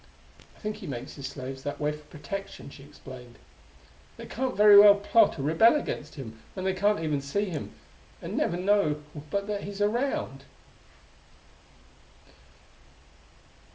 "I think he makes his slaves that way for protection," she explained. "They can't very well plot or rebel against him when they can't even see him, and never know but what he's around."